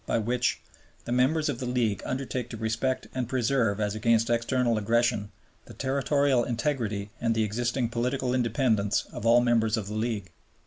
by which "The Members of the League undertake to respect and preserve as against external aggression the territorial integrity and existing political independence of all Members of the League."